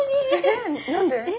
えぇ何で？